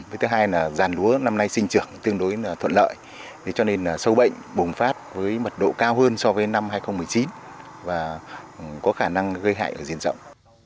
với thứ hai là giàn lúa năm nay sinh trưởng tương đối thuận lợi cho nên sâu bệnh bùng phát với mật độ cao hơn so với năm hai nghìn một mươi chín và có khả năng gây hại ở diện rộng